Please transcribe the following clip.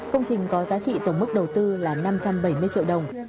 công trình có giá trị tổng mức đầu tư là năm trăm bảy mươi triệu đồng